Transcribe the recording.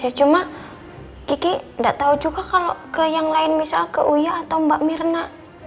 ya cuma kiki nggak tahu juga kalau ke yang lain misal ke uya atau mbak mirna